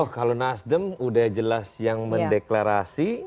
oh kalau nasdem udah jelas yang mendeklarasi